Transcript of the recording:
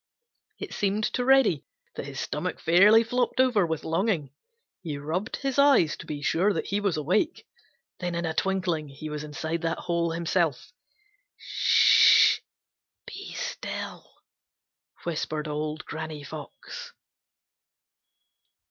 It seemed to Reddy that his stomach fairly flopped over with longing. He rubbed his eyes to be sure that he was awake. Then in a twinkling he was inside that hole himself. "Sh h h, be still!" whispered Old Granny Fox.